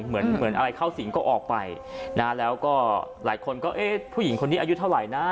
เหมือนเหมือนอะไรเข้าสิงก็ออกไปนะแล้วก็หลายคนก็เอ๊ะผู้หญิงคนนี้อายุเท่าไหร่นะ